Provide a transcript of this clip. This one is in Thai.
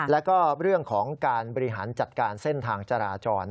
แล้วก็เรื่องของการบริหารจัดการเส้นทางจราจร